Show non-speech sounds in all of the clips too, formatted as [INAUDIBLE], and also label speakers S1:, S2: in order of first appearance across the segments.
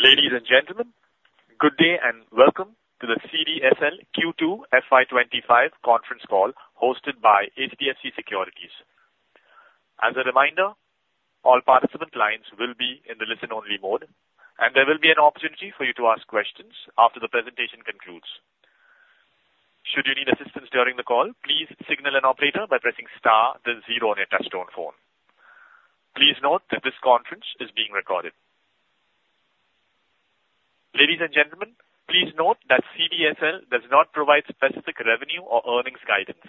S1: Ladies and gentlemen, good day and welcome to the CDSL Q2 FY2025 conference call, hosted by HDFC Securities. As a reminder, all participant lines will be in the listen-only mode, and there will be an opportunity for you to ask questions after the presentation concludes. Should you need assistance during the call, please signal an operator by pressing star then zero on your touchtone phone. Please note that this conference is being recorded. Ladies and gentlemen, please note that CDSL does not provide specific revenue or earnings guidance.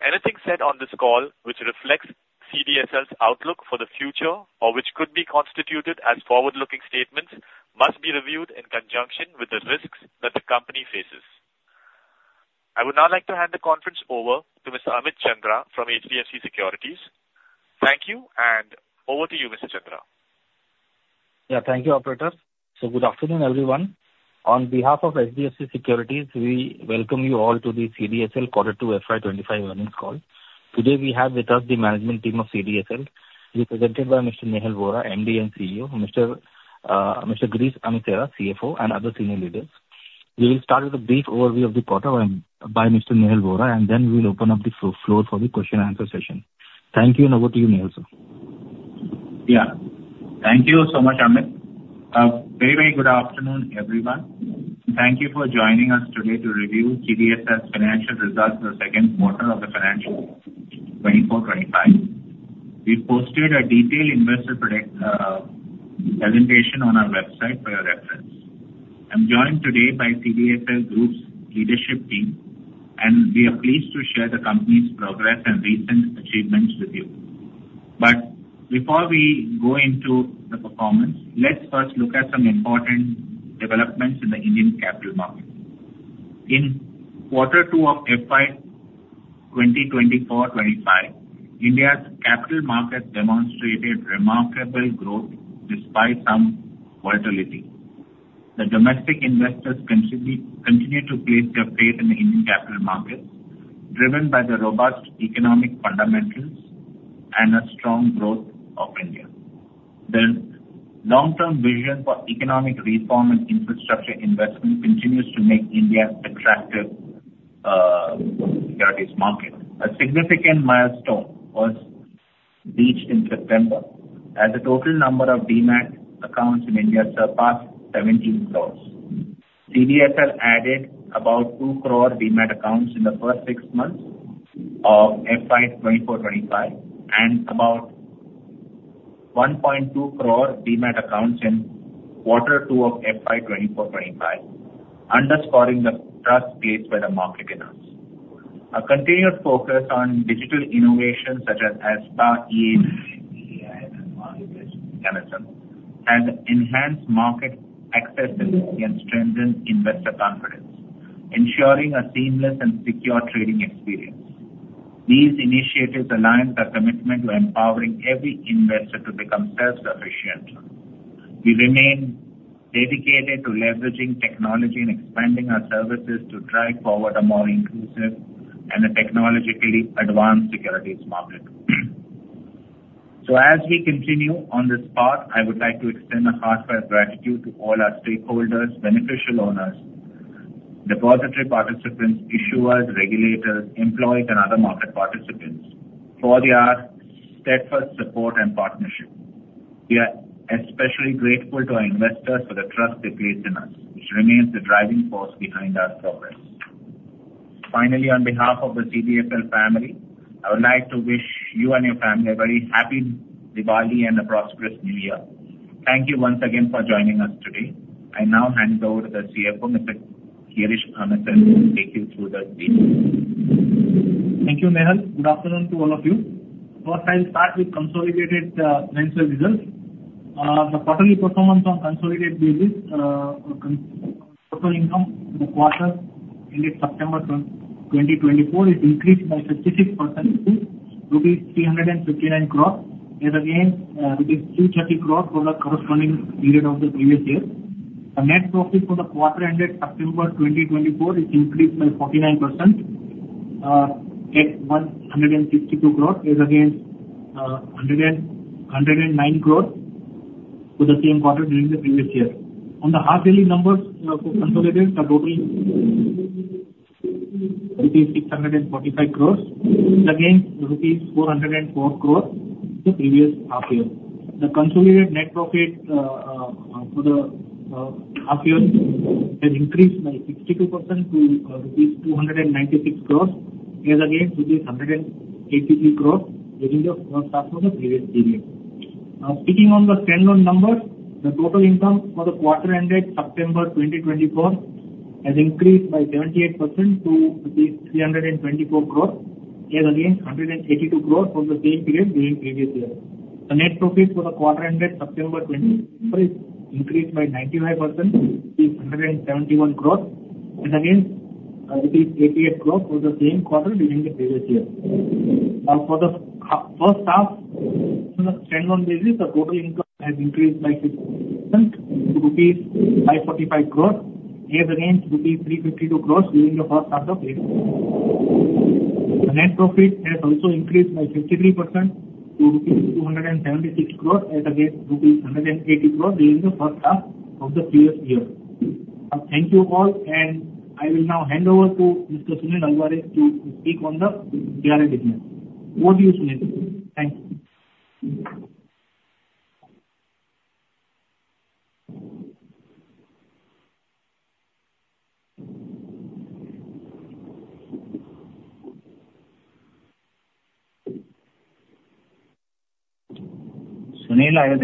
S1: Anything said on this call which reflects CDSL's outlook for the future, or which could be constituted as forward-looking statements, must be reviewed in conjunction with the risks that the company faces. I would now like to hand the conference over to Mr. Amit Chandra from HDFC Securities. Thank you, and over to you, Mr. Chandra.
S2: Yeah, thank you, operator. So good afternoon, everyone. On behalf of HDFC Securities, we welcome you all to the CDSL Q2 FY2025 earnings call. Today, we have with us the management team of CDSL, represented by Mr. Nehal Vora, MD and CEO, Mr. Girish Amesara, CFO, and other senior leaders. We will start with a brief overview of the quarter by Mr. Nehal Vora, and then we will open up the floor for the question and answer session. Thank you, and over to you, Nehal, sir.
S3: Yeah. Thank you so much, Amit. Very, very good afternoon, everyone. Thank you for joining us today to review CDSL's financial results for the Q2 of the financial year 2024-2025. We posted a detailed investor presentation on our website for your reference. I'm joined today by CDSL group's leadership team, and we are pleased to share the company's progress and recent achievements with you, but before we go into the performance, let's first look at some important developments in the Indian capital market. In Q2 of FY2024-2025, India's capital market demonstrated remarkable growth despite some volatility. The domestic investors continue to place their faith in the Indian capital market, driven by the robust economic fundamentals and a strong growth of India. The long-term vision for economic reform and infrastructure investment continues to make India attractive securities market. A significant milestone was reached in September, as the total number of demat accounts in India surpassed seventeen crores. CDSL added about two crore demat accounts in the first six months of FY2024-2025, and about 1.2 crore demat accounts in Q2 of FY2024-2025, underscoring the trust placed by the market in us. A continuous focus on digital innovation, such as ASBA, AI, and MSM, has enhanced market accessibility and strengthened investor confidence, ensuring a seamless and secure trading experience. These initiatives align our commitment to empowering every investor to become self-sufficient. We remain dedicated to leveraging technology and expanding our services to drive toward a more inclusive and a technologically advanced securities market. So as we continue on this path, I would like to extend a heartfelt gratitude to all our stakeholders, beneficial owners, depository participants, issuers, regulators, employees, and other market participants for their steadfast support and partnership. We are especially grateful to our investors for the trust they place in us, which remains the driving force behind our progress. Finally, on behalf of the CDSL family, I would like to wish you and your family a very happy Diwali and a prosperous New Year. Thank you once again for joining us today. I now hand over to the CFO, Mr. Girish Amesara, to take you through the details.
S4: Thank you, Nehal. Good afternoon to all of you. First, I'll start with consolidated financial results. The quarterly performance on consolidated basis, total income in the quarter ended September 2024, it increased by 56% to rupees 359 crores, and again, rupees 230 crores from the corresponding period of the previous year. The net profit for the quarter ended September 2024 is increased by 49%, at 152 crores, is against, 109 crores to the same quarter during the previous year. On the half-yearly numbers, for consolidated, the total rupees 645 crores, against rupees 404 crores the previous half year. The consolidated net profit for the half year has increased by 62% to rupees 296 crores, yet again to 183 crores during the first half of the previous period. Speaking on the standalone numbers, the total income for the quarter ended September 2024 has increased by 78% to 324 crores, yet again 182 crores from the same period during previous year. The net profit for the quarter ended September 2024 is increased by 95% to 171 crores, and again 88 crores for the same quarter during the previous year. Now, for the first half, on a standalone basis, the total income has increased by 60% to rupees 545 crores against rupees 352 crores during the first half of last year. The net profit has also increased by 63% to rupees 276 crores, as against rupees 180 crores during the first half of the previous year. Thank you all, and I will now hand over to Mr. Sunil Alvares to speak on the detailed business. Over to you, Sunil. Thank you. Sunil, are you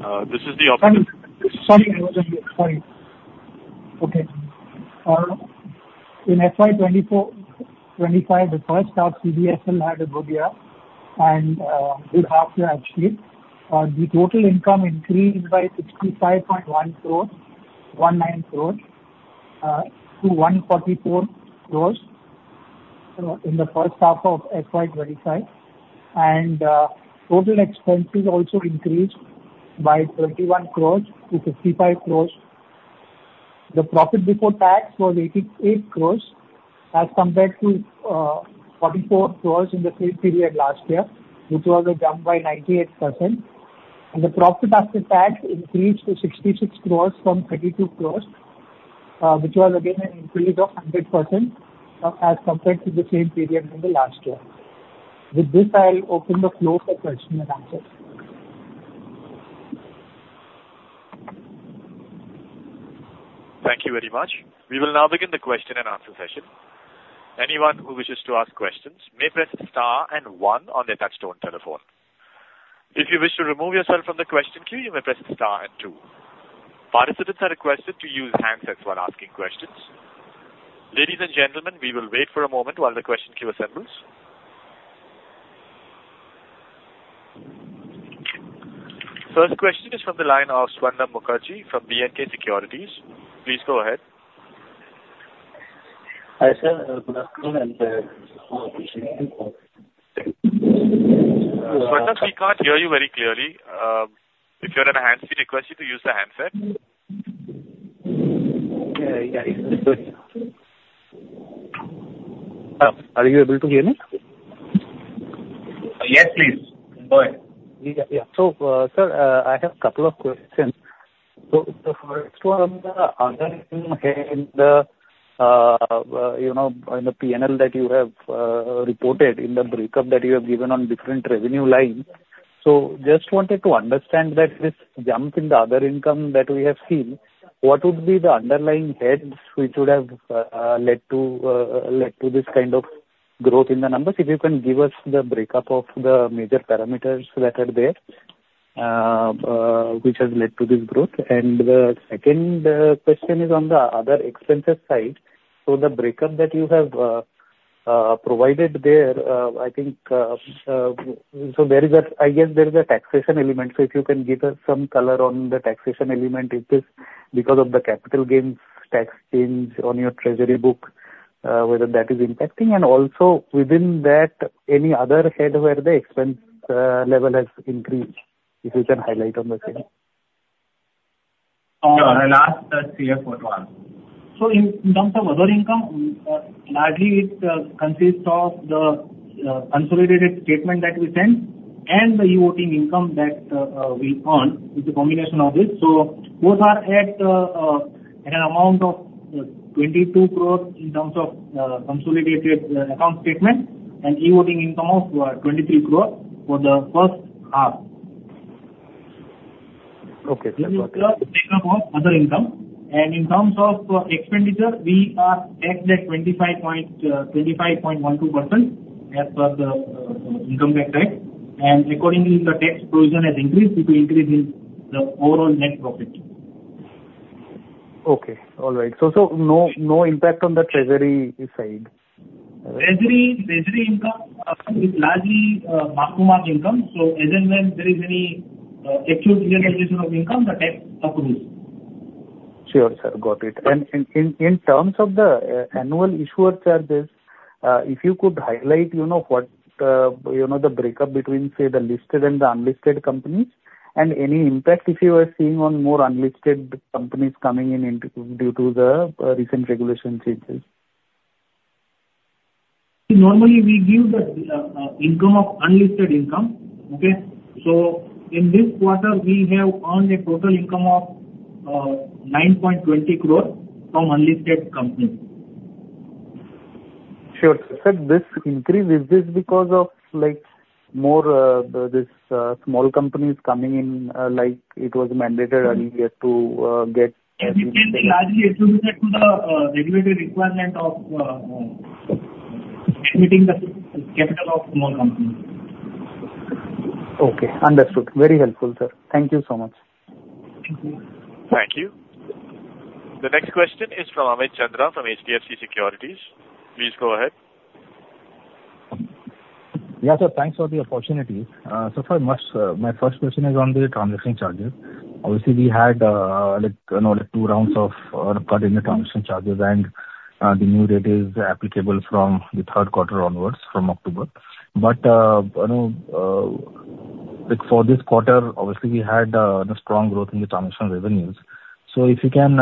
S4: there?
S1: This is the operator-
S5: Sorry, sorry. I was on mute. Sorry. Okay. In FY2024-2025, the first half, CDSL had a good year and good half year actually. The total income increased by 65.19 crore-144 crore in the first half of FY2025. And total expenses also increased by 21 crore-55 crore. The profit before tax was 88 crore, as compared to 44 crore in the same period last year, which was a jump by 98%. And the profit after tax increased to 66 crore from 32 crore, which was again an increase of 100%, as compared to the same period in the last year. With this, I'll open the floor for question and answers.
S1: Thank you very much. We will now begin the question and answer session. Anyone who wishes to ask questions may press star and one on their touchtone telephone. If you wish to remove yourself from the question queue, you may press star and two. Participants are requested to use handsets when asking questions. Ladies and gentlemen, we will wait for a moment while the question queue assembles. First question is from the line of Swarna Mukherjee from BNK Securities. Please go ahead.
S6: Hi, sir, good afternoon, and... [AUDIO DISTORTION]
S1: Swarna, we can't hear you very clearly. If you're on a handset, we request you to use the handset.
S6: Yeah, yeah. Are you able to hear me?
S1: Yes, please. Go ahead.
S6: Yeah. Yeah. So, sir, I have a couple of questions. So the first one, other than the, you know, in the P&L that you have reported in the breakup that you have given on different revenue lines, so just wanted to understand that this jump in the other income that we have seen, what would be the underlying heads which would have led to this kind of growth in the numbers? If you can give us the breakup of the major parameters that are there, which has led to this growth. And the second question is on the other expenses side. So the breakup that you have provided there, I think, so there is a, I guess there is a taxation element, so if you can give us some color on the taxation element. Is this because of the capital gains tax gains on your treasury book, whether that is impacting? And also, within that, any other head where the expense level has increased, if you can highlight on the same.
S3: I'll ask CFO to answer.
S4: So in terms of other income, largely it consists of the consolidated statement that we sent and the e-voting income that we earned, is a combination of this. So those are at an amount of 22 crores in terms of consolidated account statement, and e-voting income of 23 crores for the first half.
S6: Okay.
S4: Breakup of other income. In terms of expenditure, we are at the 25.12% as per the income tax rate. Accordingly, the tax provision has increased, which increases the overall net profit.
S6: Okay. All right. So, so no, no impact on the treasury side?
S4: Treasury income is largely mark-to-market income, so as and when there is any actual realization of income, the tax applies.
S6: Sure, sir. Got it, and in terms of the annual issuer charges, if you could highlight, you know, what, you know, the breakup between, say, the listed and the unlisted companies, and any impact, if you are seeing on more unlisted companies coming in due to the recent regulation changes.
S4: Normally, we give the income of unlisted income. Okay? So in this quarter, we have earned a total income of 9.20 crores from unlisted companies.
S6: Sure. Sir, this increase, is this because of, like, more this small companies coming in, like it was mandated earlier to get-
S4: This is largely attributed to the regulatory requirement of submitting the capital of small companies.
S6: Okay, understood. Very helpful, sir. Thank you so much.
S4: Thank you.
S1: Thank you. The next question is from Amit Chandra, from HDFC Securities. Please go ahead.
S2: Yeah, sir. Thanks for the opportunity. So far, my first question is on the transaction charges. Obviously, we had, like, you know, like, two rounds of cut in the transaction charges, and the new rate is applicable from the Q3 onwards, from October. But, you know, like for this quarter, obviously, we had the strong growth in the transactional revenues. So if you can, you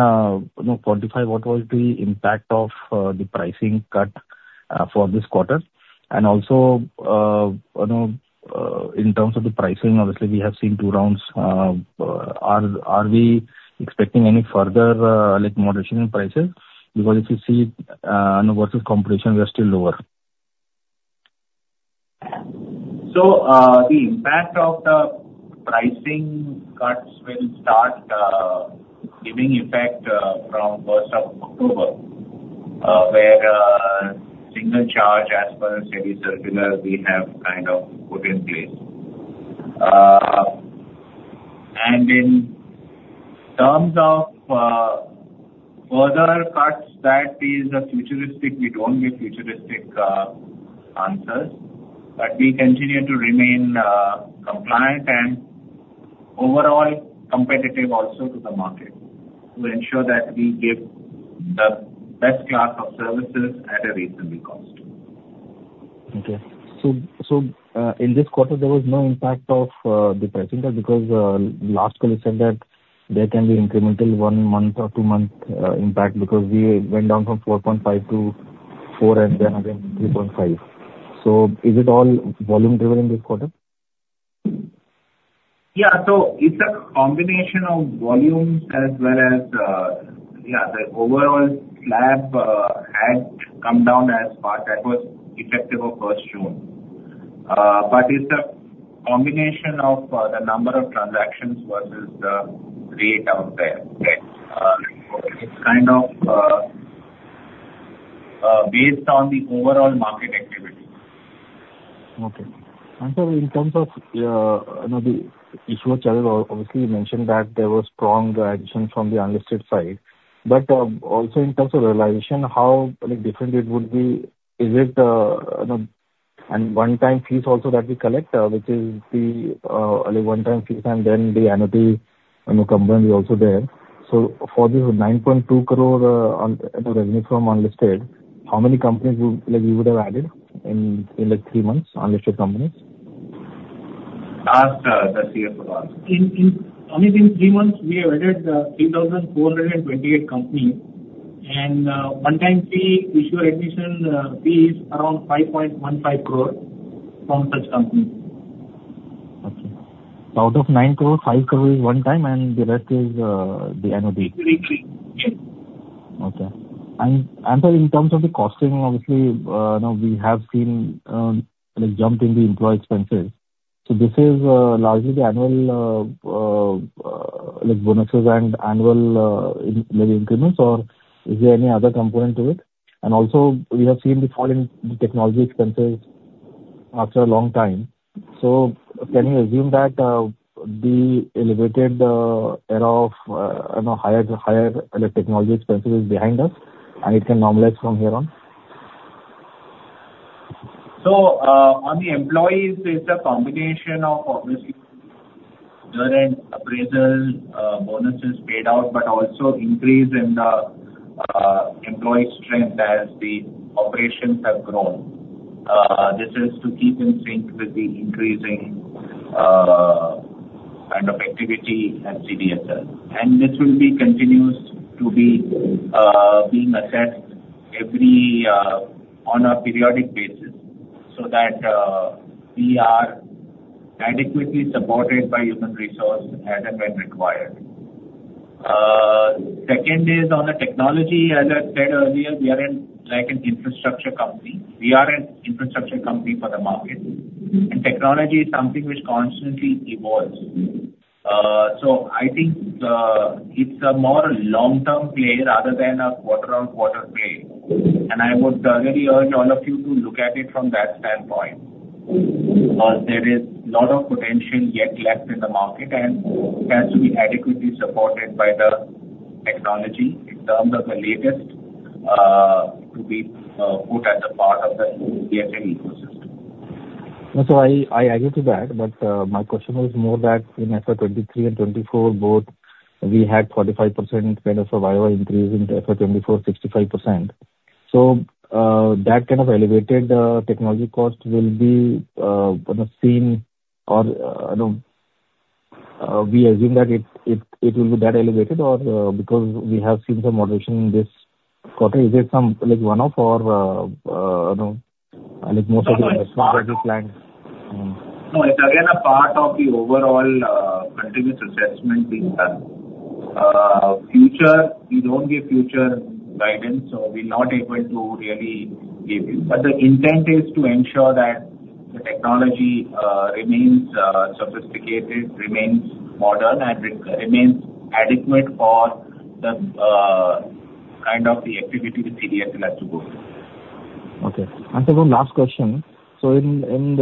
S2: know, quantify what was the impact of the pricing cut for this quarter? And also, you know, in terms of the pricing, obviously, we have seen two rounds. Are we expecting any further, like, moderation in prices? Because if you see, you know, versus competition, we are still lower.
S3: So, the impact of the pricing cuts will start giving effect from 1 October 2024, where single charge as per SEBI circular we have kind of put in place. And in terms of further cuts, that is future. We don't give future answers. But we continue to remain compliant and overall competitive also to the market, to ensure that we give the best class of services at a reasonable cost.
S2: Okay. So in this quarter, there was no impact of the pricing, because last quarter you said that there can be incremental one-month or two-month impact, because we went down from 4.5 to 4, and then again, 3.5. So is it all volume driven this quarter?
S3: Yeah. So it's a combination of volumes as well as, yeah, the overall slab had come down as far as that was effective of first June. But it's a combination of the number of transactions versus the rate out there. It's kind of based on the overall market activity.
S2: Okay. And so in terms of, you know, the issuer channel, obviously, you mentioned that there was strong addition from the unlisted side. But, also in terms of realization, how, like, different it would be? Is it, you know... And one-time fees also that we collect, which is the, only one-time fees, and then the annuity, you know, component is also there. So for this 9.2 crore revenue from unlisted, how many companies would, like, you would have added in, like, three months, unlisted companies?
S3: I'll ask the CFO to answer.
S4: In only three months, we have added three thousand four hundred and twenty-eight companies, and one-time fee, issuer admission, fee is around 5.15 crore from such companies.
S2: Okay. Out of 9 crore, 5 crore is one time, and the rest is the annuity.
S4: Repeat.
S2: Okay. And so in terms of the costing, obviously, now we have seen, like, jump in the employee expenses. So this is largely the annual, like, bonuses and annual, like, increments, or is there any other component to it? And also, we have seen the fall in the technology expenses after a long time. So can we assume that the elevated era of, you know, higher, like, technology expenses is behind us, and it can normalize from here on?
S3: So, on the employees, it's a combination of obviously year-end appraisal, bonuses paid out, but also increase in the employee strength as the operations have grown. This is to keep in sync with the increasing kind of activity at CDSL. And this will be continues to be being assessed every on a periodic basis, so that we are adequately supported by human resource as and when required. Second is on the technology. As I said earlier, we are in, like an infrastructure company. We are an infrastructure company for the market. Technology is something which constantly evolves. I think it's a more long-term play rather than a quarter-on-quarter play. I would really urge all of you to look at it from that standpoint. There is a lot of potential yet left in the market, and it has to be adequately supported by the technology in terms of the latest to be put as a part of the CDSL ecosystem.
S2: So I agree to that, but my question was more that in FY2023 and FY2024, both, we had 45% kind of server increase, in FY2024, 65%. So that kind of elevated technology cost will be kind of seen or you know we assume that it will be that elevated or because we have seen some moderation in this quarter. Is it some like one-off or you know like most of it-
S3: No, it's again a part of the overall continuous assessment being done. Future, we don't give future guidance, so we're not able to really give you, but the intent is to ensure that the technology remains sophisticated, remains modern, and remains adequate for the kind of the activity that CDSL has to go through.
S2: Okay. And so one last question: so in terms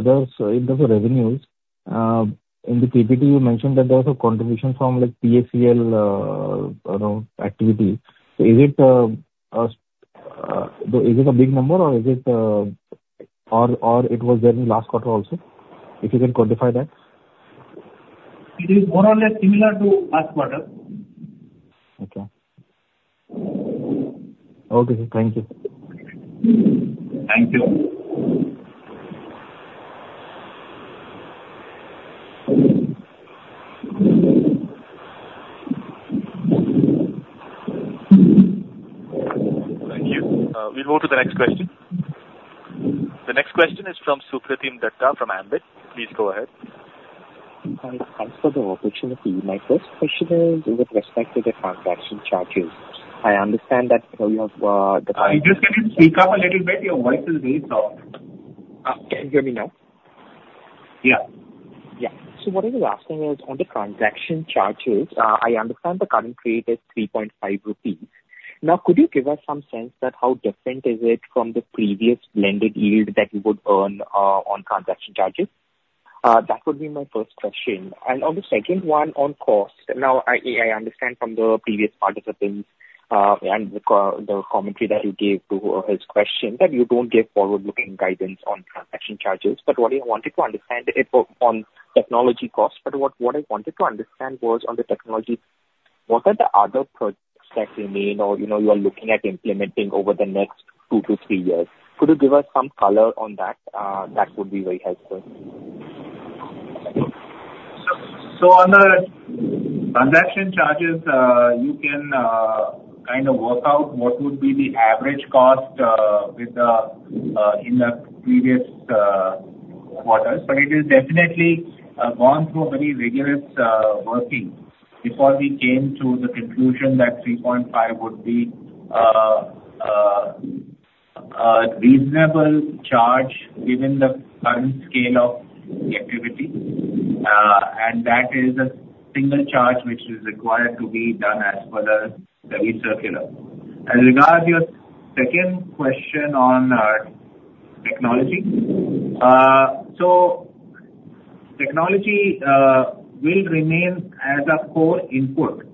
S2: of revenues, in the PPT, you mentioned that there was a contribution from, like, PACL, you know, activity. So is it a big number or is it, or it was there in last quarter also? If you can quantify that.
S3: It is more or less similar to last quarter.
S6: Okay. Okay, sir, thank you.
S3: Thank you.
S1: Thank you. We'll move to the next question. The next question is from Supratim Datta from Ambit. Please go ahead.
S7: Hi, thanks for the opportunity. My first question is with respect to the transaction charges. I understand that you have, the- [CROSSTALK]
S3: Just, can you speak up a little bit? Your voice is very soft.
S7: Can you hear me now?
S3: Yeah.
S7: Yeah. So what I was asking is, on the transaction charges, I understand the current rate is 3.5 rupees. Now, could you give us some sense that how different is it from the previous blended yield that you would earn, on transaction charges? That would be my first question. And on the second one, on cost. Now, I understand from the previous participants, and the commentary that you gave to his question, that you don't give forward-looking guidance on transaction charges. But what I wanted to understand it on technology costs, but what I wanted to understand was on the technology, what are the other products that you made or, you know, you are looking at implementing over the next two to three years? Could you give us some color on that? That would be very helpful.
S3: So on the transaction charges, you can kind of work out what would be the average cost with the in the previous quarters. But it has definitely gone through a very rigorous working before we came to the conclusion that three point five would be a reasonable charge given the current scale of the activity. And that is a single charge which is required to be done as per the RBI circular. As regards your second question on technology. So technology will remain as a core input,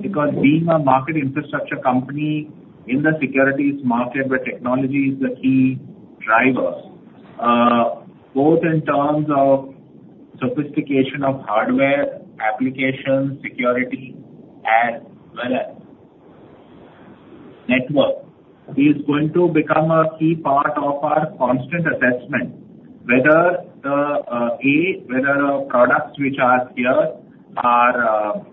S3: because being a market infrastructure company in the securities market, where technology is the key driver, both in terms of sophistication of hardware, application, security, and as well as network, is going to become a key part of our constant assessment. Whether the A, whether the products which are here are,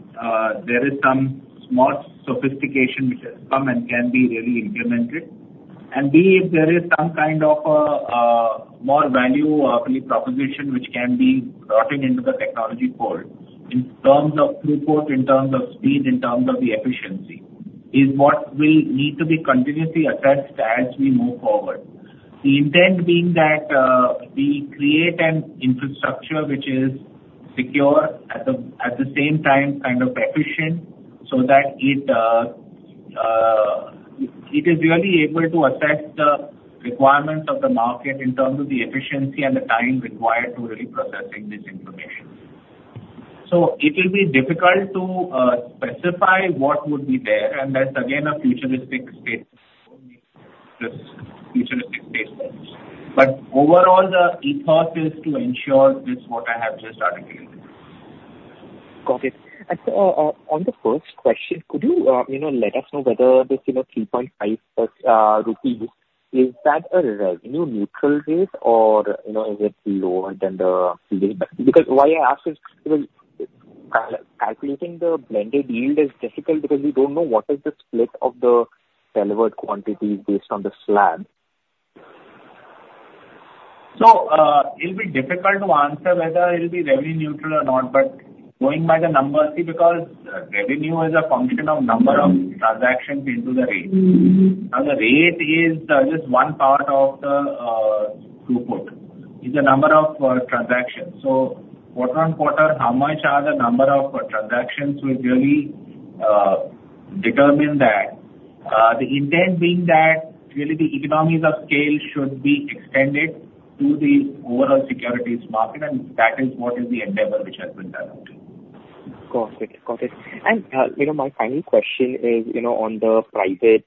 S3: there is some smart sophistication which has come and can be really implemented, and B, if there is some kind of more value proposition which can be brought into the technology fold, in terms of throughput, in terms of speed, in terms of the efficiency, is what will need to be continuously assessed as we move forward. The intent being that we create an infrastructure which is secure, at the same time kind of efficient, so that it is really able to assess the requirements of the market in terms of the efficiency and the time required to really processing this information. So it will be difficult to specify what would be there, and that's again a futuristic statement, just futuristic statements. But overall, the ethos is to ensure this what I have just articulated.
S7: Got it. And so, on the first question, could you, you know, let us know whether this, you know, 3.5 rupees, is that a revenue neutral rate or, you know, is it lower than the rate? Because why I ask is, calculating the blended yield is difficult because we don't know what is the split of the delivered quantity based on the slab.
S3: It'll be difficult to answer whether it'll be revenue neutral or not, but going by the numbers, see, because revenue is a function of number of transactions into the rate. Now, the rate is just one part of the throughput. It's the number of transactions. So quarter-on-quarter, how much are the number of transactions will really determine that. The intent being that really the economies of scale should be extended to the overall securities market, and that is what is the endeavor which has been done.
S7: Got it. You know, my final question is, you know, on the private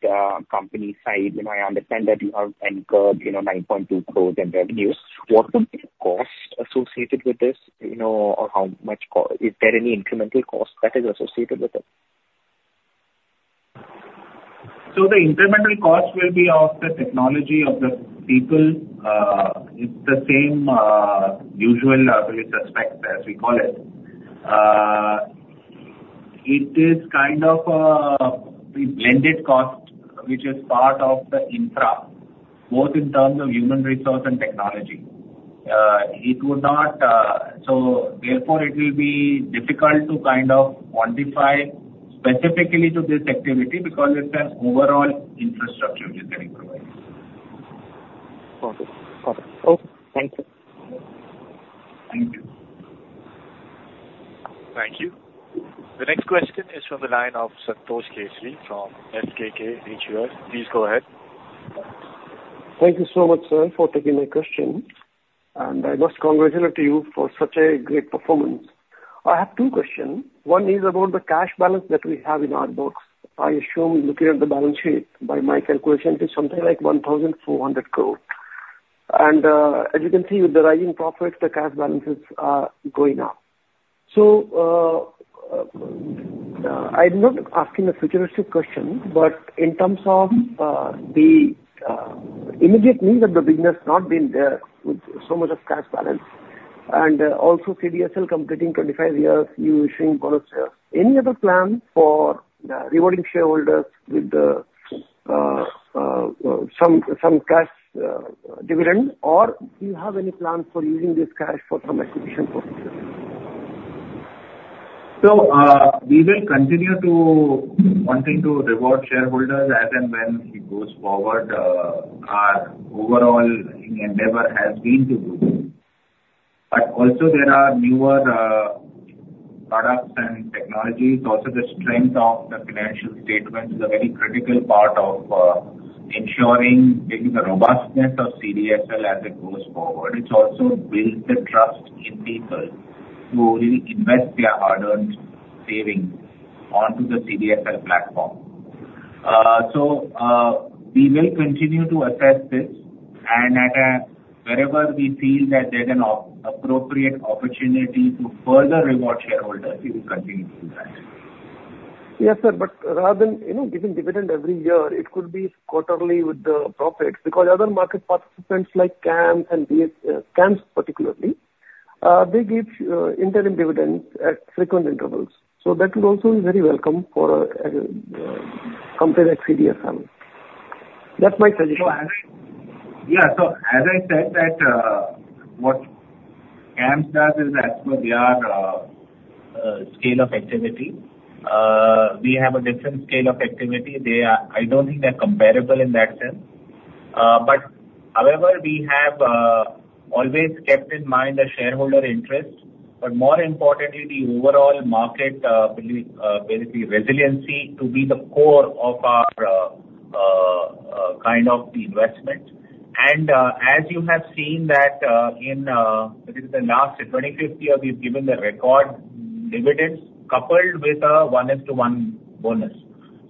S7: company side, you know, I understand that you have incurred, you know, nine point two crores in revenues. What are the costs associated with this, you know, or is there any incremental cost that is associated with it?
S3: So the incremental cost will be of the technology, of the people. It's the same usual suspect, as we call it. It is kind of a blended cost, which is part of the infra, both in terms of human resource and technology. It would not, so therefore, it will be difficult to kind of quantify specifically to this activity because it's an overall infrastructure which is getting provided.
S7: Got it. Got it. Okay, thank you.
S3: Thank you.
S1: Thank you. The next question is from the line of Santosh Keshri from SKK HUF. Please go ahead.
S8: Thank you so much, sir, for taking my question, and I must congratulate you for such a great performance. I have two questions. One is about the cash balance that we have in our books. I assume, looking at the balance sheet, by my calculation, it is something like 1,400 crore. As you can see, with the rising profits, the cash balances are going up. So, I'm not asking a futuristic question, but in terms of the immediate needs of the business, not being there with so much of cash balance, and also CDSL completing 25 years, you issuing bonus share. Any other plan for rewarding shareholders with some cash dividend, or do you have any plans for using this cash for some acquisition purposes?
S3: So, we will continue to wanting to reward shareholders as and when it goes forward. Our overall endeavor has been to do it. But also there are newer products and technologies. Also, the strength of the financial statements is a very critical part of ensuring the robustness of CDSL as it goes forward. It's also built the trust in people who will invest their hard-earned savings onto the CDSL platform. So, we will continue to assess this, and wherever we feel that there's an appropriate opportunity to further reward shareholders, we will continue doing that.
S8: Yes, sir, but rather than, you know, giving dividend every year, it could be quarterly with the profits, because other market participants, like CAMS and BSE, CAMS particularly, they give interim dividends at frequent intervals. So that will also be very welcome for a company like CDSL. That's my suggestion.
S3: Yeah. So as I said, that, what CAMS does is as per their scale of activity. We have a different scale of activity. They are... I don't think they're comparable in that sense. But however, we have always kept in mind the shareholder interest, but more importantly, the overall market belief, basically, resiliency to be the core of our kind of the investment. And as you have seen that, in within the last twenty-fifth year, we've given the record dividends coupled with a one is to one bonus.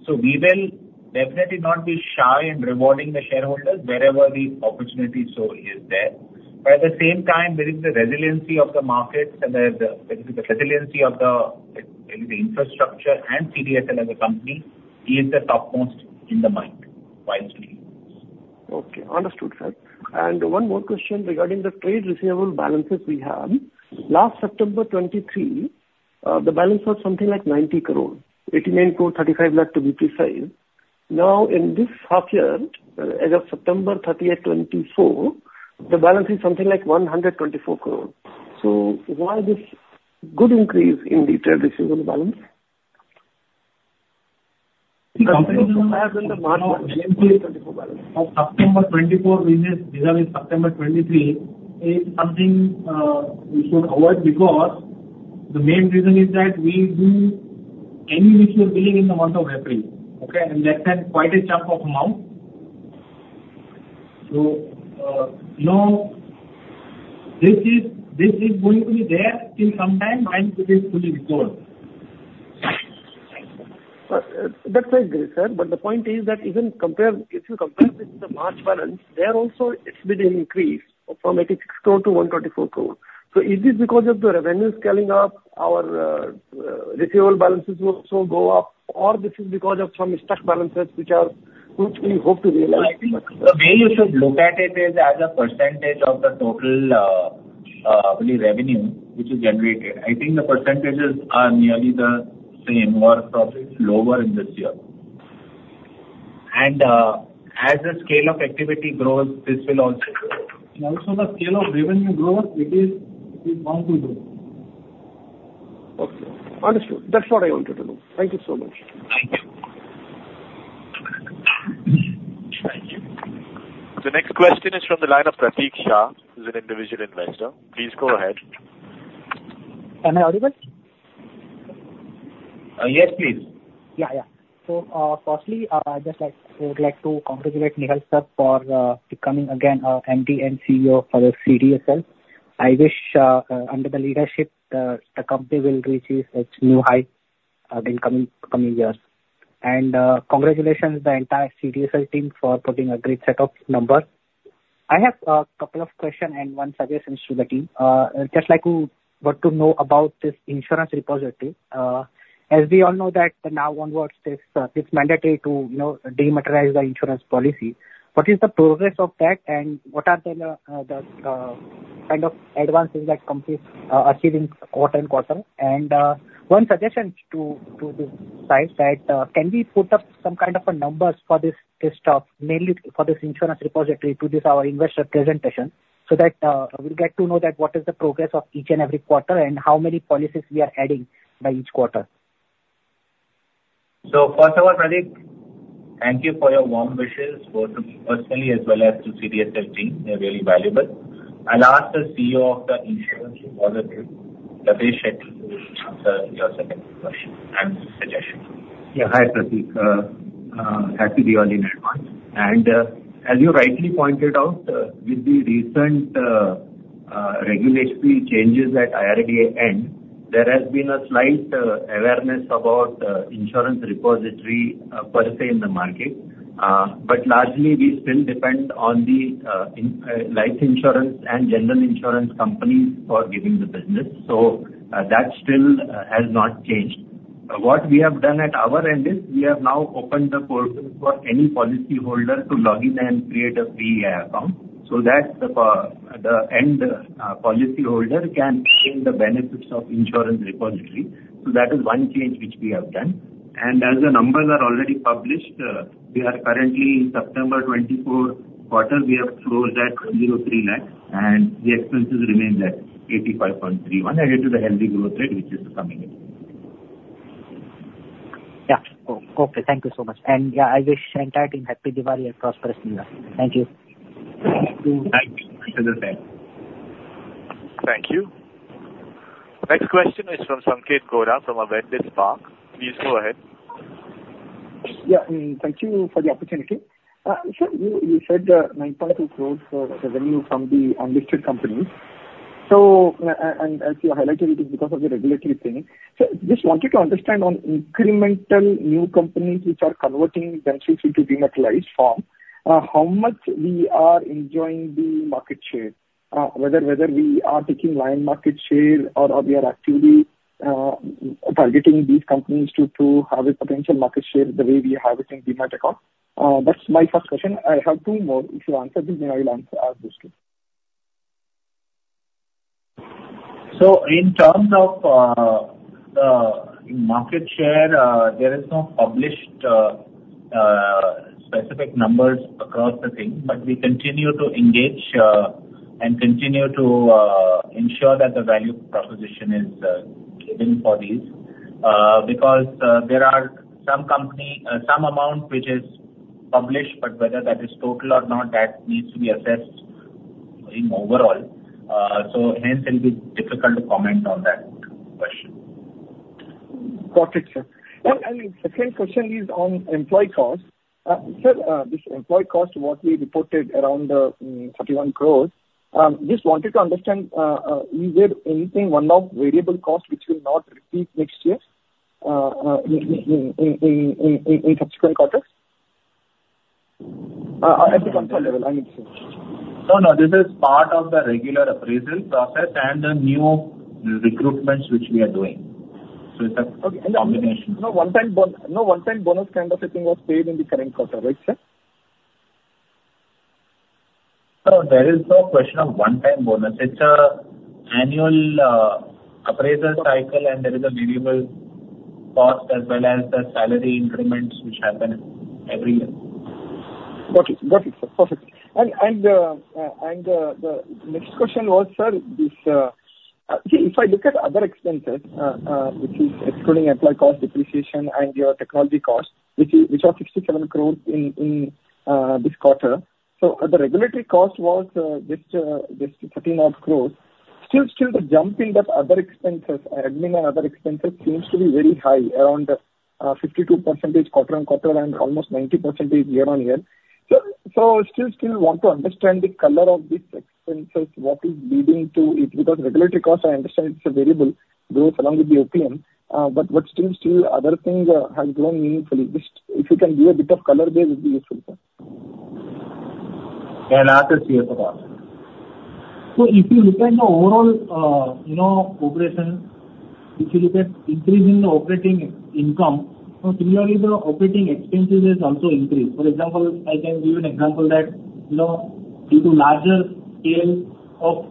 S3: So we will definitely not be shy in rewarding the shareholders wherever the opportunity so is there. But at the same time, there is the resiliency of the market and the resiliency of the infrastructure and CDSL as a company is the topmost in the mind, wisely.
S8: Okay. Understood, sir. And one more question regarding the trade receivable balances we have. Last September 2023, the balance was something like 90 crore, 89.35 lakh to be precise. Now, in this half year, as of 30 September 2024, the balance is something like 124 crore. So why this good increase in the trade receivable balance? [CROSSTALK]
S4: September 2024 business versus September 2023 is something we should avoid, because the main reason is that we do any business billing in the month of April, okay? And that's quite a chunk of amount. So, now, this is going to be there in some time until it is fully gone.
S8: That's. I agree, sir. But the point is that even compared, if you compare with the March balance, there also it's been an increase from 86 crore-124 crore. So is this because of the revenue scaling up, our receivable balances will also go up, or this is because of some stuck balances which we hope to realize?
S3: I think the way you should look at it is as a percentage of the total revenue which is generated. I think the percentages are nearly the same or probably lower in this year, and as the scale of activity grows, this will also grow.
S4: Also, the scale of revenue grows. It's going to grow.
S8: Okay, understood. That's what I wanted to know. Thank you so much.
S4: Thank you.
S1: Thank you. The next question is from the line of Pratik Shah, who's an individual investor. Please go ahead.
S9: Am I audible?
S1: Yes, please.
S9: Yeah, yeah. So, firstly, I'd just like, I would like to congratulate Nehal Sir for becoming again, our MD and CEO for the CDSL. I wish, under the leadership, the company will reach its new height, in coming years. And, congratulations the entire CDSL team for putting a great set of numbers. I have a couple of questions and one suggestions to the team. I'd just like to want to know about this insurance repository. As we all know that now onwards, it's mandatory to, you know, dematerialize the insurance policy. What is the progress of that, and what are the kind of advances that companies are achieving quarter-on-quarter? One suggestion to the side that can we put up some kind of a numbers for this stuff, mainly for this insurance repository, to this our investor presentation, so that we'll get to know that what is the progress of each and every quarter and how many policies we are adding by each quarter?
S3: First of all, Pratik, thank you for your warm wishes, both to me personally as well as to CDSL team. They're very valuable. I'll ask the CEO of the insurance repository, Latesh Shetty, to answer your second question and suggestion.
S10: Yeah. Hi, Pratik. Happy to be on in advance. As you rightly pointed out, with the recent regulatory changes at IRDA end, there has been a slight awareness about insurance repository per se in the market. But largely, we still depend on the life insurance and general insurance companies for giving the business, so that still has not changed. What we have done at our end is, we have now opened the portal for any policyholder to log in and create a free account, so that the policyholder can gain the benefits of insurance repository. So that is one change which we have done. And as the numbers are already published, we are currently in September 2024 quarter, we have closed at 3 lakh, and the expenses remain at 85.31 crore and it is a healthy growth rate which is coming in.
S9: Yeah. Oh, okay. Thank you so much. And, yeah, I wish entire team happy Diwali and prosperous new year. Thank you.
S3: Thank you.
S1: Thank you. Next question is from Sanketh Godha, from Avendus Spark. Please go ahead.
S11: Yeah, thank you for the opportunity. Sir, you said 9.2 crores for revenue from the unlisted companies. So, and as you highlighted, it is because of the regulatory thing. So just wanted to understand on incremental new companies which are converting themselves into dematized form, how much we are enjoying the market share? Whether we are taking lion market share or we are actually targeting these companies to have a potential market share the way we have it in demat account. That's my first question. I have two more. If you answer this, then I will ask those two.
S3: So, in terms of market share, there is no published specific numbers across the thing. But we continue to engage and continue to ensure that the value proposition is given for these. Because there are some company some amount which is published, but whether that is total or not, that needs to be assessed in overall. So hence, it'll be difficult to comment on that question.
S11: Got it, sir. The second question is on employee costs. Sir, this employee cost what we reported around 31 crores. Just wanted to understand, is there anything one-off variable cost which will not repeat next year, in subsequent quarters? [CROSSTALK] At the comfort level, I mean, sir.
S3: No, no, this is part of the regular appraisal process and the new recruitments which we are doing, so it's a combination.
S11: No one-time bonus, no one-time bonus kind of a thing was paid in the current quarter, right, sir?
S3: No, there is no question of one-time bonus. It's an annual appraisal cycle, and there is a variable cost as well as the salary increments which happen every year.
S11: Got it. Got it, sir. Perfect. And the next question was, sir, this, if I look at other expenses, which is excluding employee cost depreciation and your technology costs, which are 67 crores in this quarter. So the regulatory cost was just 13-odd crores. Still, the jump in that other expenses, admin and other expenses, seems to be very high, around 52% quarter-on-quarter and almost 90% year-on-year. So still want to understand the color of these expenses, what is leading to it? Because regulatory costs, I understand it's a variable, goes along with the OPM. But what still other things have grown meaningfully. Just if you can give a bit of color there, would be useful, sir.
S3: Yes. I'll ask the CFO to answer that.
S4: So if you look at the overall, you know, operation, if you look at increase in the operating income, so similarly, the operating expenses is also increased. For example, I can give you an example that, you know, due to larger scale of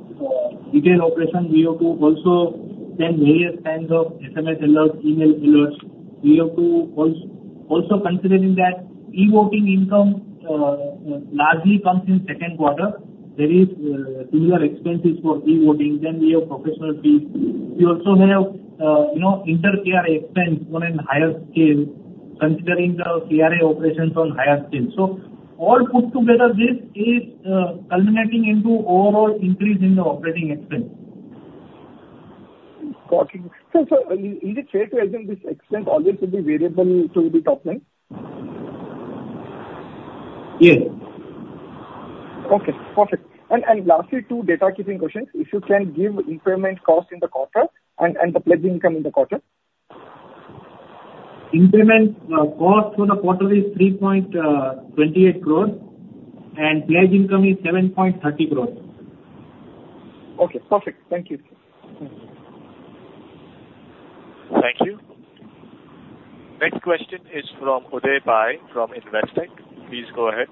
S4: retail operations, we have to also send various kinds of SMS alerts, email alerts. We have to also considering that e-voting income largely comes in Q2. There is similar expenses for e-voting, then we have professional fees. We also have, you know, infra expense on a higher scale, considering the KRA operations on higher scale. So all put together, this is culminating into overall increase in the operating expense.
S11: Got it. So, is it fair to assume this expense always will be variable to the top line?
S4: Yes.
S11: Okay, perfect. And lastly, two data-keeping questions. If you can give incremental cost in the quarter and the pledge income in the quarter.
S4: Incremental cost for the quarter is 3.28 crores, and pledge income is 7.30 crores.
S11: Okay, perfect. Thank you.
S1: Thank you. Next question is from Uday Pai, from Investec. Please go ahead.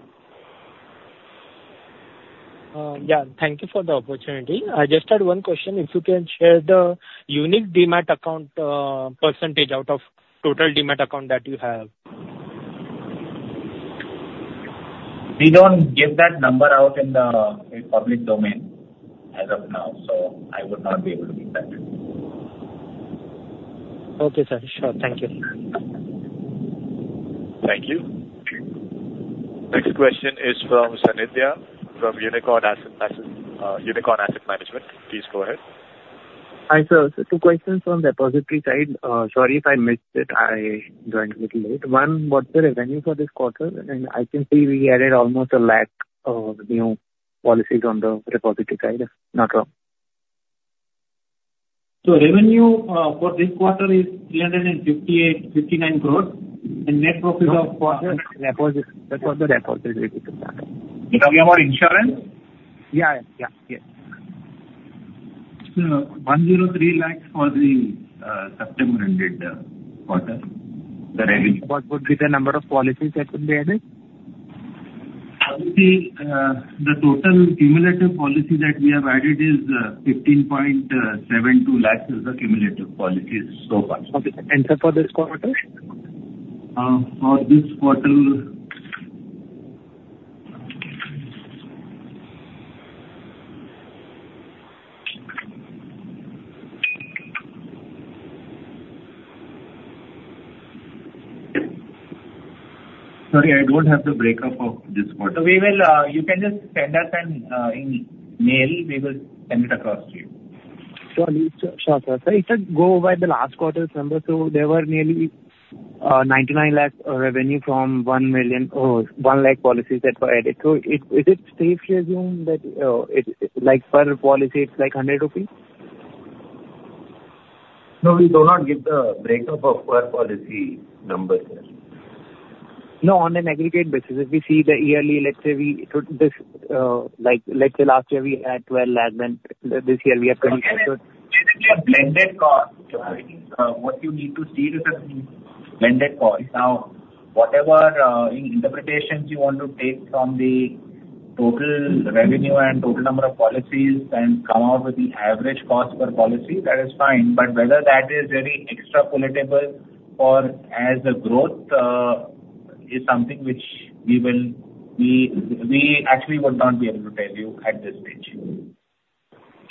S12: Yeah, thank you for the opportunity. I just had one question. If you can share the unique demat account percentage out of total demat account that you have.
S3: We don't give that number out in the public domain as of now, so I would not be able to give that.
S12: Okay, sir. Sure. Thank you.
S1: Thank you. Next question is from Sanidhya, from Unicorn Asset Management. Please go ahead.
S13: Hi, sir. So two questions on depository side. Sorry if I missed it, I joined a little late. One, what's the revenue for this quarter? And I can see we added almost a lakh of new policies on the repository side. Not wrong?
S4: Revenue for this quarter is 359 crore, and net profit of quarter deposits. That was the deposit related data.
S3: You're talking about insurance?
S13: Yeah. Yeah. Yeah.
S3: INR 103 lakhs for the September-ended quarter, the revenue.
S13: What would be the number of policies that would be added?
S10: The total cumulative policy that we have added is 15.72 lakhs, is the cumulative policies so far.
S13: Okay, and for this quarter?
S10: For this quarter, sorry, I don't have the breakdown of this quarter. So we will, you can just send us an email, we will send it across to you.
S13: Sorry, sure, sir. So if I go by the last quarter's number, so there were nearly 99 lakh revenue from 1 million lakh, or 1 lakh policies that were added. So is it safe to assume that it, like, per policy, it's like 100 rupees?
S10: No, we do not give the breakup of per policy numbers.
S13: No, on an aggregate basis, if we see the yearly, let's say we, so this, like, let's say last year we had 12 lakh, then this year we are-
S10: It is a blended cost. I think what you need to see is a blended cost. Now, whatever interpretations you want to take from the total revenue and total number of policies and come out with the average cost per policy, that is fine, but whether that is very extrapolatable or as a growth is something which we actually would not be able to tell you at this stage.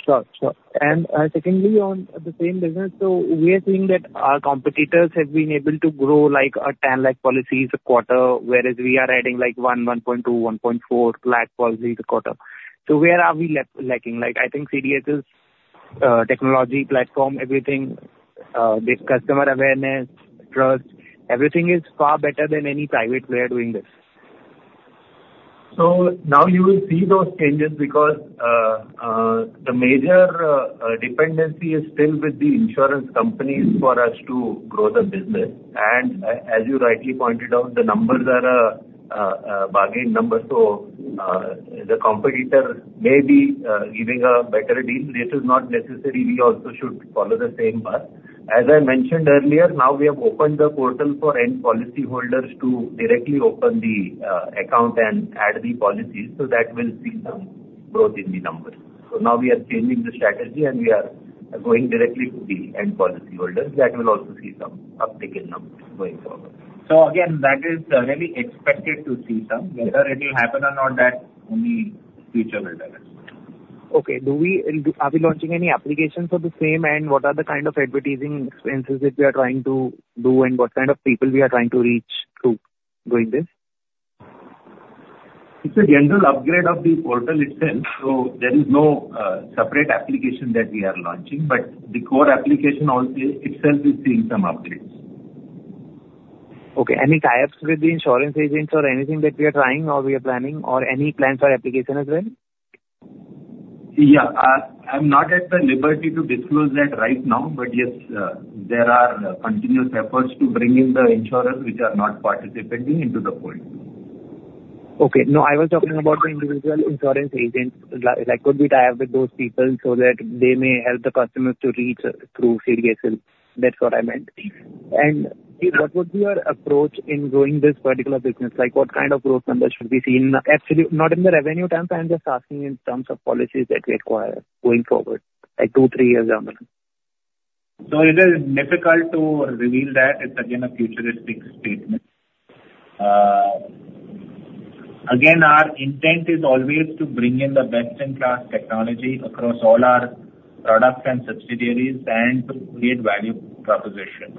S13: Sure. Sure. And secondly, on the same business, so we are seeing that our competitors have been able to grow, like, a 10 lakh policies a quarter, whereas we are adding, like, 1 lakh, 1.2 lakh, 1.4 lakh policies a quarter. So where are we lacking? Like, I think CDSL's technology platform, everything, the customer awareness, trust, everything is far better than any private player doing this.
S10: So now you will see those changes because the major dependency is still with the insurance companies for us to grow the business. And as you rightly pointed out, the numbers are bargain numbers, so the competitor may be giving a better deal. This is not necessary, we also should follow the same path. As I mentioned earlier, now we have opened the portal for end policyholders to directly open the account and add the policies, so that will see some growth in the numbers. So now we are changing the strategy, and we are going directly to the end policyholders. That will also see some uptick in numbers going forward.
S3: So again, that is really expected to see some. Whether it will happen or not, that only future will tell us.
S13: Okay. Are we launching any applications for the same? And what kind of advertising expenses are we trying to do, and what kind of people are we trying to reach through doing this?
S3: It's a general upgrade of the portal itself, so there is no separate application that we are launching, but the core application also itself is seeing some upgrades.
S13: Okay. Any tie-ups with the insurance agents or anything that we are trying or we are planning or any plans for application as well?
S3: Yeah. I'm not at the liberty to disclose that right now, but, yes, there are continuous efforts to bring in the insurers which are not participating into the fold.
S13: Okay. No, I was talking about the individual insurance agents. Like, could we tie up with those people so that they may help the customers to reach through CDSL? That's what I meant. And what would be your approach in growing this particular business? Like, what kind of growth numbers should we see in the, actually, not in the revenue terms, I'm just asking in terms of policies that we acquire going forward, like two, three years down the line.
S3: So it is difficult to reveal that. It's again a futuristic statement. Again, our intent is always to bring in the best-in-class technology across all our products and subsidiaries and to create value proposition,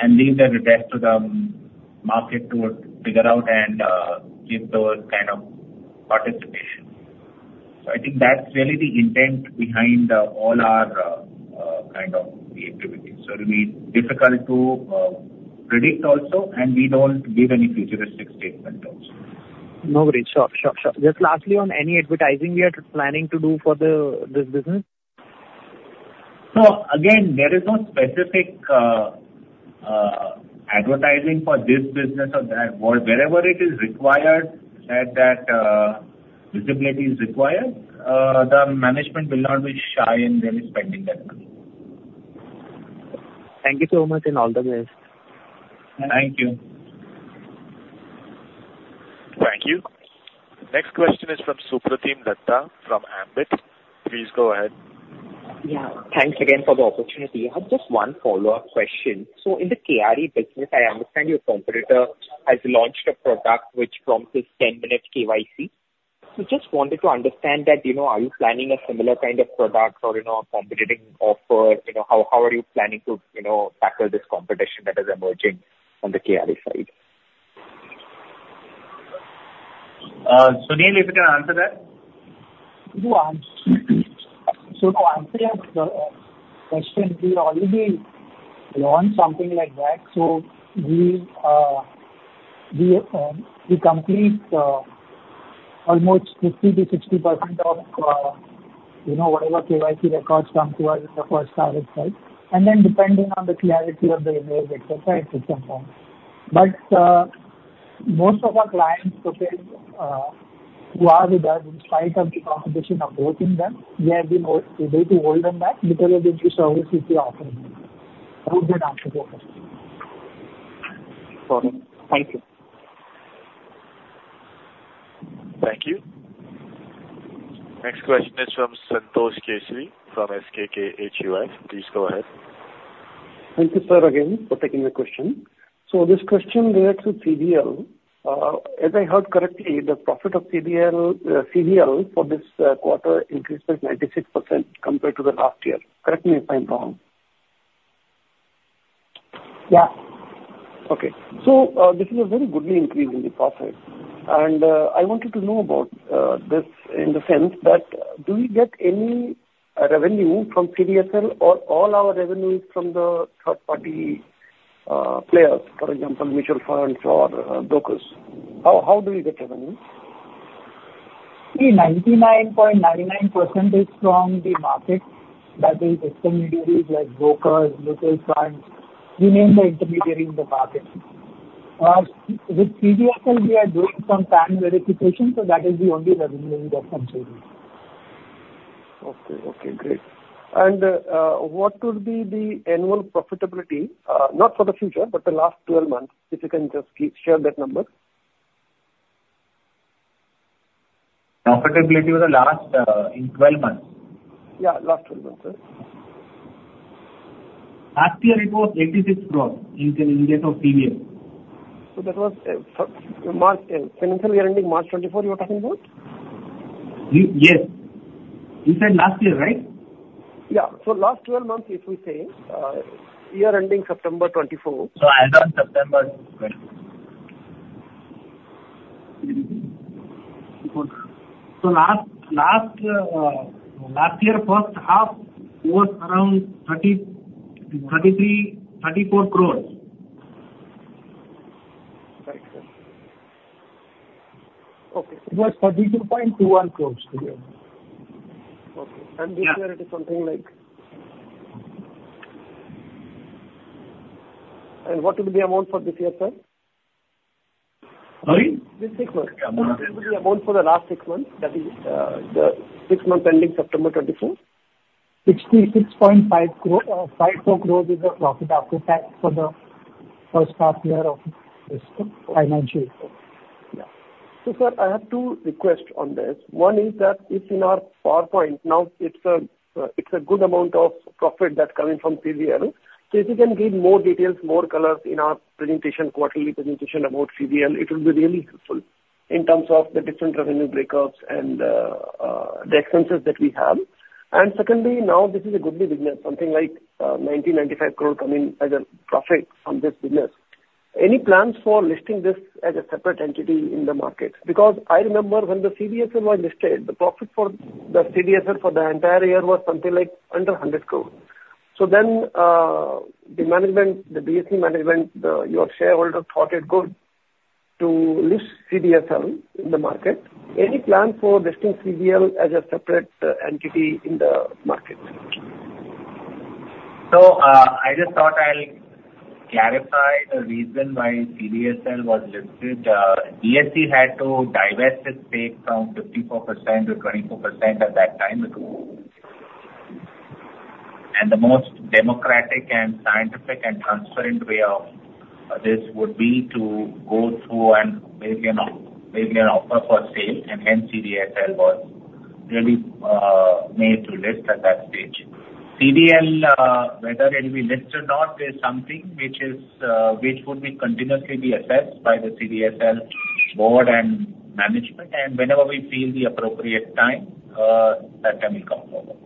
S3: and leave the rest to the market to figure out and give those kind of participation, so I think that's really the intent behind all our kind of activities, so it'll be difficult to predict also, and we don't give any futuristic statement also.
S13: No worries. Sure, sure, sure. Just lastly, on any advertising we are planning to do for the, this business?
S3: Again, there is no specific advertising for this business or that. Wherever it is required, that visibility is required, the management will not be shy in really spending that money.
S13: Thank you so much, and all the best.
S3: Thank you.
S1: Thank you. Next question is from Supratim Dutta from Ambit. Please go ahead.
S7: Yeah, thanks again for the opportunity. I have just one follow-up question. So in the KRA business, I understand your competitor has launched a product which promises 10-minute KYC. So just wanted to understand that, you know, are you planning a similar kind of product or, you know, a competing offer? You know, how, how are you planning to, you know, tackle this competition that is emerging on the KRA side?
S3: Sunil, if you can answer that?
S5: To answer your question, we already learned something like that. We complete almost 50%-60% of, you know, whatever KYC records come to us in the first hour's time. And then depending on the clarity of the image, et cetera, it confirms. But most of our clients who are with us, in spite of the competition approaching them, we have been able to hold them back because of the service which we offering. I hope that answers your question.
S7: Got it. Thank you.
S1: Thank you. Next question is from Santosh Keshri, from SKK HUF. Please go ahead.
S8: Thank you, sir, again, for taking my question. So this question relates to CVL. If I heard correctly, the profit of CVL for this quarter increased by 96% compared to the last year. Correct me if I'm wrong.
S5: Yeah.
S8: Okay. So, this is a very good increase in the profit. And, I wanted to know about this in the sense that, do we get any revenue from CDSL, or all our revenues from the third party players, for example, mutual funds or brokers? How do we get revenues?
S5: See, 99.99% is from the market. That is, intermediaries like brokers, mutual funds, you name the intermediary in the market. With CDSL, we are doing some time verification, so that is the only revenue we get from CDSL.
S8: Okay. Okay, great. And, what would be the annual profitability, not for the future, but the last 12 months, if you can just please share that number?
S3: Profitability for the last, in 12 months?
S8: Yeah, last 12 months, sir.
S3: Last year it was 86 crores in case of CVL.
S8: So that was for March financial year ending March 2024, you're talking about?
S3: Yes. You said last year, right?
S8: Yeah, so last twelve months, if we say, year ending September 2024.
S3: So as of September, right?
S8: Good.
S4: Last year, first half was around 33 crores, 34 crores.
S8: Right, sir. Okay.
S5: It was 32.21 crores earlier.
S8: Okay.
S3: Yeah.
S8: This year it is something like, and what will be the amount for this year, sir?
S4: Sorry?
S8: This six months. What will be the amount for the last six months, that is, the six months ending September 2024?
S5: 66.5 crore, 54 crores is the profit after tax for the first half year of this financial year.
S8: Yeah. So, sir, I have two requests on this. One is that it's in our PowerPoint. Now, it's a good amount of profit that's coming from CVL. So if you can give more details, more colors in our presentation, quarterly presentation about CVL, it will be really helpful in terms of the different revenue breakups and the expenses that we have. And secondly, now this is a good business, something like 199.5 crore coming as a profit from this business. Any plans for listing this as a separate entity in the market? Because I remember when the CDSL was listed, the profit for the CDSL for the entire year was something like under 100 crores. So then, the management, the BSE management, your shareholder thought it good to list CDSL in the market. Any plan for listing CVL as a separate entity in the market?
S3: I just thought I'll clarify the reason why CDSL was listed. DSC had to divest its stake from 54% to 24% at that time. The most democratic and scientific and transparent way of this would be to go through and make an offer for sale, and hence CDSL was really made to list at that stage. CVL, whether it will be listed or not, is something which would be continuously assessed by the CDSL board and management. Whenever we feel the appropriate time, that time will come forward.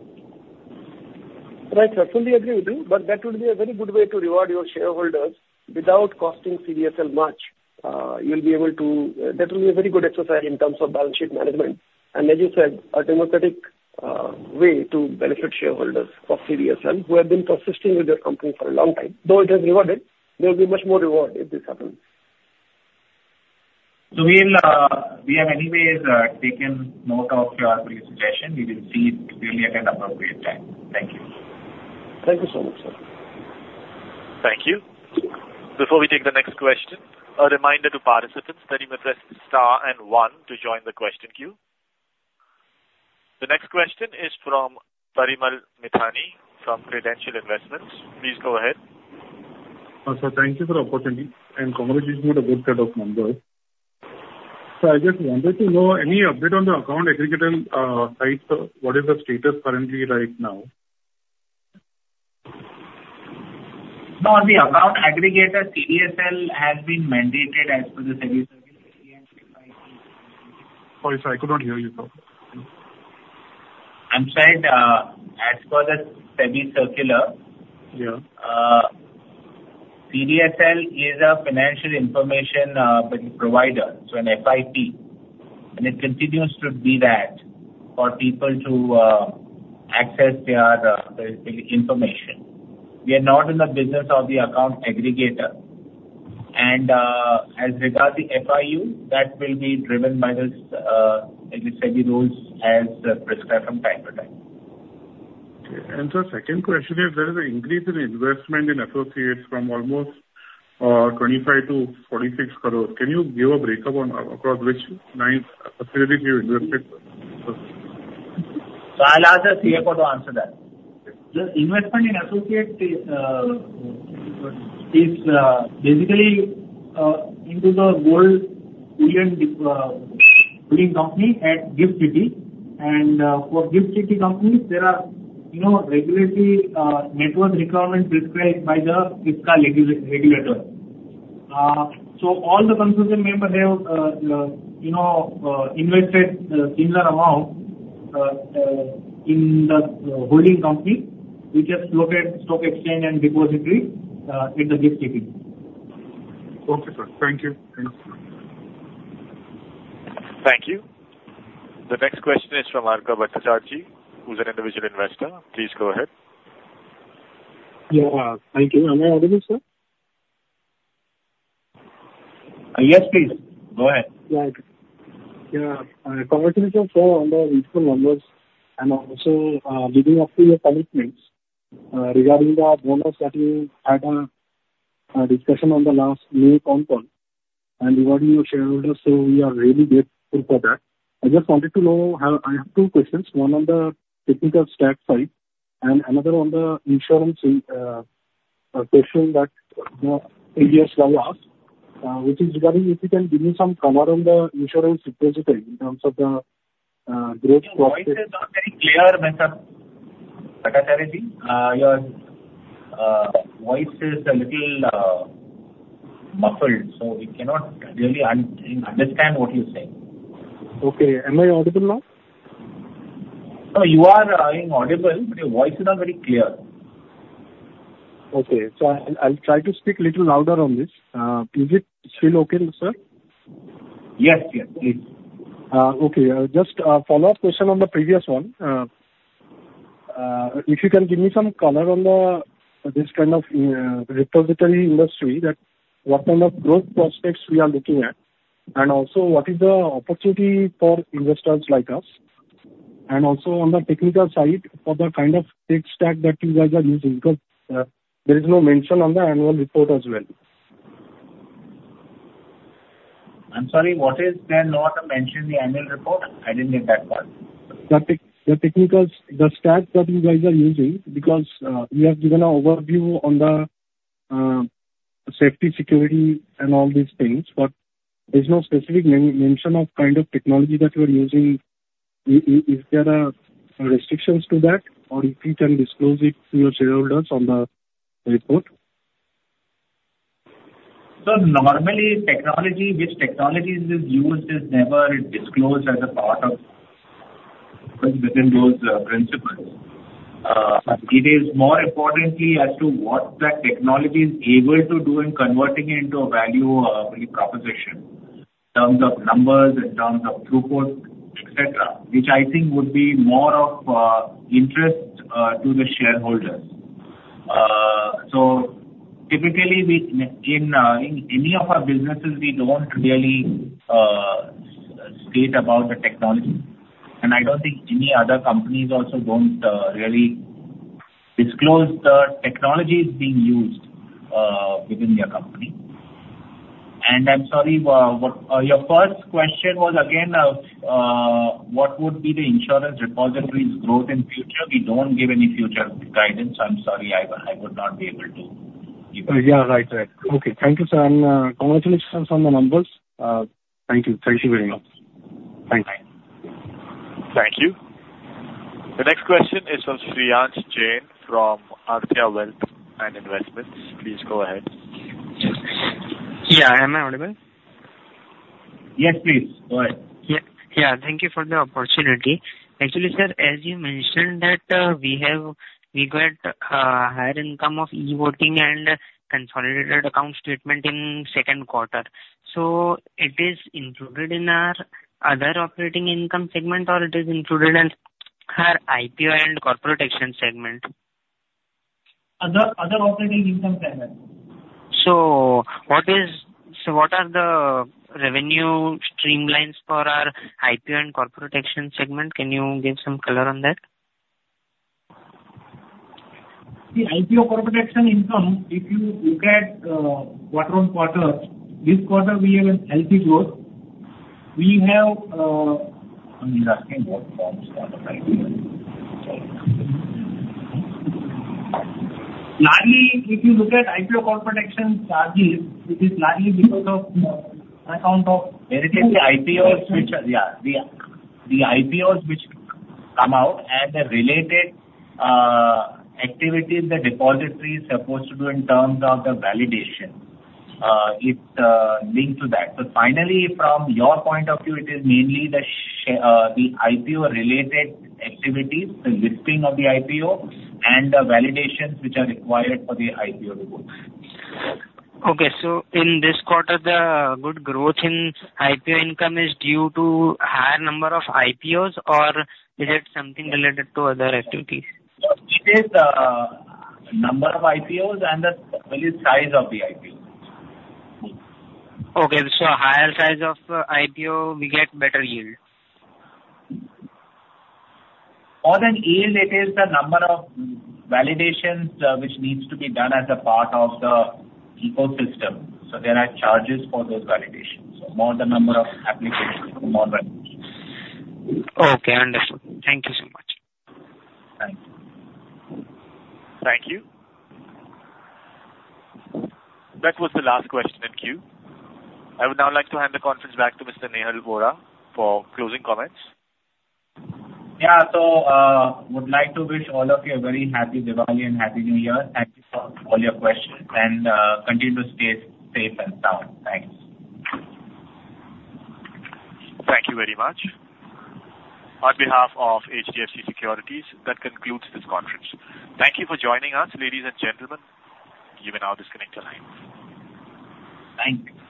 S8: Right, sir. Fully agree with you, but that would be a very good way to reward your shareholders without costing CDSL much. That will be a very good exercise in terms of balance sheet management, and as you said, a democratic way to benefit shareholders of CDSL, who have been persisting with their company for a long time. Though it has rewarded, they'll be much more rewarded if this happens.
S3: So we'll, we have anyways, taken note of your suggestion. We will see it really at an appropriate time. Thank you.
S8: Thank you so much, sir.
S1: Thank you. Before we take the next question, a reminder to participants that you may press star and one to join the question queue. The next question is from Parimal Mithani, from Credential Investments. Please go ahead.
S14: Sir, thank you for the opportunity, and congratulations on the good set of numbers. So I just wanted to know, any update on the account aggregators side, sir? What is the status currently right now?
S3: On the Account Aggregator, CDSL has been mandated as per the SEBI circular, and by the-
S14: Sorry, sir, I could not hear you, sir.
S3: I'm saying, as per the SEBI circular-
S14: Yeah.
S3: CDSL is a financial information provider, so an FIP, and it continues to be that for people to access their information. We are not in the business of the account aggregator. And, as regards the FIP, that will be driven by these SEBI rules as prescribed from time to time.
S14: Okay. And so the second question is, there is an increase in investment in associates from almost 25 crore-46 crore. Can you give a break-up on across which nine associates you invested?
S3: So I'll ask the CFO to answer that.
S4: The investment in associate is basically into the gold bullion holding company at GIFT City. And for GIFT City companies, there are, you know, regulatory net worth requirements prescribed by the IFSCA regulator. So all the consortium members have, you know, invested similar amount in the holding company, which holds the stock exchange and depository in the GIFT City.
S14: Okay, sir. Thank you. Thanks.
S1: Thank you. The next question is from Arka Bhattacharjee, who's an individual investor. Please go ahead.
S15: Yeah. Thank you. Am I audible, sir?
S3: Yes, please. Go ahead.
S15: Right. Yeah, congratulations on the useful numbers and also, living up to your commitments, regarding the bonus that you had a discussion on the last con-call and rewarding your shareholders, so we are really grateful for that. I just wanted to know. I have two questions, one on the technical stack side and another on the insurance question that previous one asked, which is regarding if you can give me some color on the insurance repository in terms of the growth prospect- [CROSSTALK]
S3: Your voice is not very clear, Mr. Bhattacharya Ji. Your voice is a little muffled, so we cannot really understand what you're saying.
S15: Okay. Am I audible now?
S3: No, you are audible, but your voice is not very clear.
S15: Okay, so I'll try to speak little louder on this. Is it still okay, sir?
S3: Yes, yes, please.
S15: Okay. Just a follow-up question on the previous one. If you can give me some color on this kind of repository industry, that what kind of growth prospects we are looking at, and also what is the opportunity for investors like us? And also on the technical side, for the kind of tech stack that you guys are using, because there is no mention on the annual report as well.
S3: I'm sorry, what is there not mentioned in the annual report? I didn't get that part.
S15: The technicals, the stack that you guys are using, because you have given an overview on the safety, security and all these things, but there's no specific mention of kind of technology that you are using. Is there restrictions to that, or if you can disclose it to your shareholders on the report?
S3: So normally, technology, which technologies is used is never disclosed as a part of, within those principles. It is more importantly as to what that technology is able to do in converting it into a value proposition, in terms of numbers, in terms of throughput, et cetera, which I think would be more of interest to the shareholders. So typically, we in any of our businesses, we don't really state about the technology. And I don't think any other companies also don't really disclose the technologies being used within their company. And I'm sorry, your first question was, again, what would be the insurance repository's growth in future? We don't give any future guidance. I'm sorry, I would not be able to give you.
S15: Yeah, right. Right. Okay, thank you, sir, and congratulations on the numbers. Thank you. Thank you very much.
S3: Thank you.
S1: Thank you. The next question is from Shreyansh Jain, from Arthya Wealth and Investments. Please go ahead.
S16: Yeah. Am I audible?
S3: Yes, please. Go ahead.
S16: Yeah. Yeah, thank you for the opportunity. Actually, sir, as you mentioned that, we have, we get, higher income of e-voting and consolidated account statement in Q2. So it is included in our other operating income segment, or it is included in our IPO and corporate action segment?
S4: Other operating income segment.
S16: So what are the revenue stream lines for our IPO and corporate action segment? Can you give some color on that?
S4: The IPO corporate action income, if you look at quarter-on-quarter, this quarter, we have a healthy growth. We have largely, if you look at IPO corporate action charges, it is largely because of account of. It is the IPOs which are, yeah,
S3: the IPOs which come out and the related activities the depository is supposed to do in terms of the validation. It linked to that. So finally, from your point of view, it is mainly the IPO-related activities, the listing of the IPO, and the validations which are required for the IPO or both.
S16: Okay. So in this quarter, the good growth in IPO income is due to higher number of IPOs, or is it something related to other activities?
S3: No, it is number of IPOs and the value, size of the IPO.
S16: Okay, so higher size of IPO, we get better yield.
S3: More than yield, it is the number of validations, which needs to be done as a part of the ecosystem. So there are charges for those validations. So more the number of applications, more validations.
S16: Okay, understood. Thank you so much.
S3: Thank you.
S1: Thank you. That was the last question in queue. I would now like to hand the conference back to Mr. Nehal Vora for closing comments.
S3: Yeah. So, would like to wish all of you a very happy Diwali and Happy New Year. Thank you for all your questions, and continue to stay safe and sound. Thanks.
S1: Thank you very much. On behalf of HDFC Securities, that concludes this conference. Thank you for joining us, ladies and gentlemen. You may now disconnect your line.
S3: Thank you.